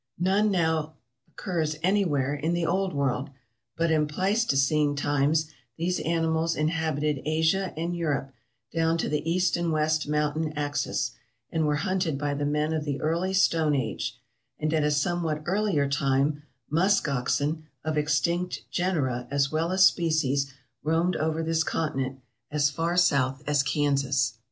None now occurs anywhere in the Old World, but in Pleistocene times these animals inhabited Asia and Europe down to the east and west mountain axis, and were hunted by the men of the early Stone Age; and at a somewhat earlier time musk oxen, of extinct genera as well as species, roamed over this continent, as far south as Kansas.